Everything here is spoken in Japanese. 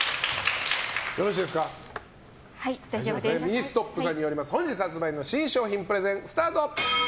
ミニストップさんによる本日発売の新商品プレゼンスタート！